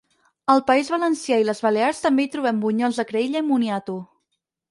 Al País Valencià i les Balears també hi trobem bunyols de creïlla i moniato.